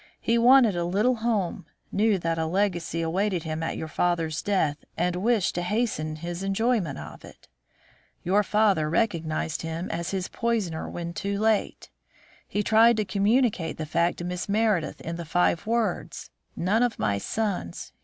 He wanted a little home, knew that a legacy awaited him at your father's death, and wished to hasten his enjoyment of it. Your father recognised him as his poisoner when too late. He tried to communicate the fact to Miss Meredith in the five words: 'None of my sons.